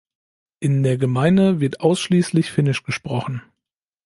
In der Gemeinde wird ausschließlich finnisch gesprochen.